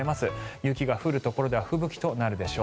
雪が降るところでは吹雪となるでしょう。